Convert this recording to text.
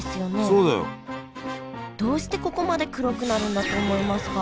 そうだよ。どうしてここまで黒くなるんだと思いますか？